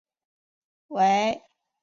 为一座暗礁。